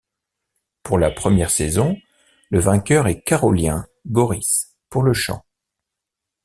Pour la première saison, le vainqueur est Karolien Goris pour le chant.